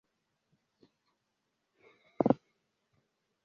Li instruis en pluraj vilaĝoj, li estis unu jaron arkivisto.